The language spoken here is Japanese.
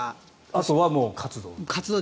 あとはもう活動？